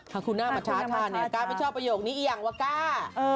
หาคูนามาชาชาเนี่ยกายไม่ชอบประโยคนี้อย่างกว่ากาย